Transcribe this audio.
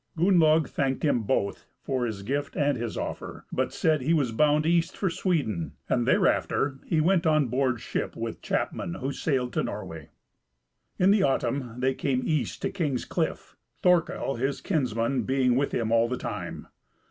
Gunnlaug thanked him both for his gift and his offer, but said he was bound east for Sweden; and thereafter he went on board ship with chapmen who sailed to Norway. In the autumn they came east to King's Cliff, Thorkel, his kinsman, being with him all the time.